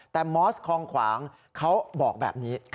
แต่มอสคองขวางเขาบอกแบบนี้